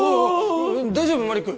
大丈夫マリック？